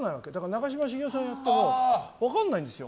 長嶋茂雄さんをやっても分からないんですよ。